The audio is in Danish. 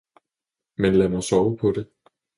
men lad mig sove på det!